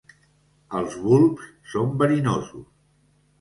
Els bulbs són verinosos.